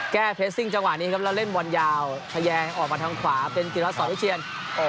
แก้เพลสซิ่งจังหวะนี้ครับแล้วเล่นวันยาวทะเยงออกมาทางขวาเป็นกีฤษศาสตร์อุ้ยเชียน